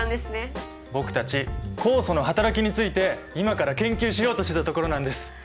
僕たち酵素のはたらきについて今から研究しようとしてたところなんです！